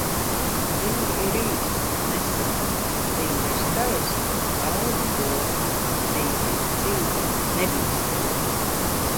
Dzīve ir īsa - nesapņo, Dzīve ir skaista - baudi to, Dzīve ir cīņa - nebīsties!